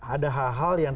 ada hal hal yang